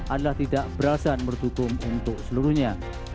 adalah tidak berlasan berdukung untuk seluruhnya